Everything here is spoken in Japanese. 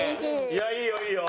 いやいいよいいよ！